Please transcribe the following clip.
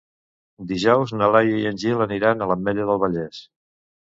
Dijous na Laia i en Gil aniran a l'Ametlla del Vallès.